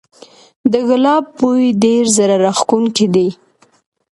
د ګلاب بوی ډیر زړه راښکونکی دی